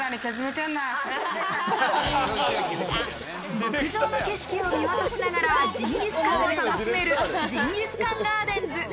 牧場の景色を見渡しながらジンギスカンを楽しめるジンギスカンガーデンズ。